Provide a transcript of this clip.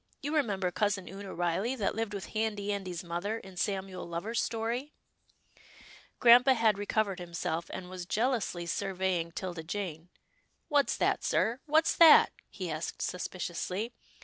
You remember Cousin Oonah Riley, that lived with Handy Andy's mother in Samuel Lover's story ?" Grampa had recovered himself, and was jealously surveying 'Tilda Jane. " What's that, sir — what's that? " he asked suspiciously.